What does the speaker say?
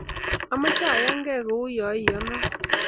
Ameche ayangei kou ya iyono